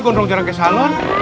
gonjol jarang kayak salon